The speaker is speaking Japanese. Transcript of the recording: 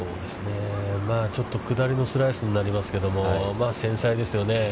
ちょっと下りのスライスになりますけども、繊細ですよね。